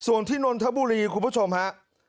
ส่วนที่นนทบุรีคุณผู้ชมฮะ